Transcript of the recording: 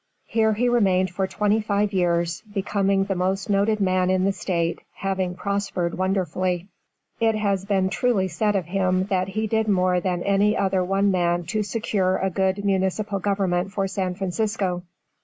Here he remained for twenty five years, becoming the most noted man in the State, having prospered wonderfully. It has been truly said of him that he did more than any other one man to secure a good municipal government for San Francisco.